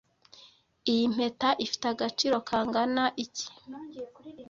Iyi mpeta ifite agaciro kangana iki?